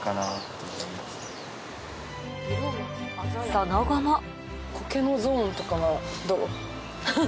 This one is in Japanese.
その後もコケのゾーンとかはどう？